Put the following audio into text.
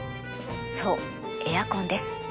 そうエアコンです。